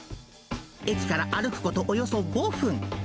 駅から歩くこと、およそ５分。